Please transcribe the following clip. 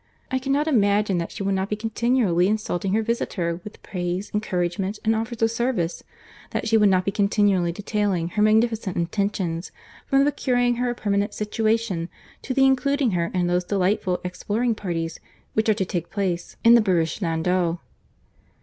I cannot imagine that she will not be continually insulting her visitor with praise, encouragement, and offers of service; that she will not be continually detailing her magnificent intentions, from the procuring her a permanent situation to the including her in those delightful exploring parties which are to take place in the barouche landau."